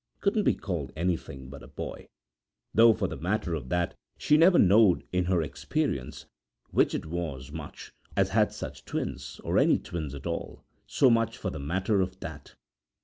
couldn't be called anything but a boy; though for the matter of that she never knowed in her experience which it was much of a boy as had such twins, or any twins at all so much for the matter of that.